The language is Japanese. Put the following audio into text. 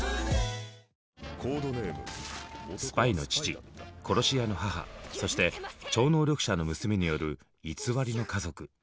スパイの父殺し屋の母そして超能力者の娘による偽りの家族。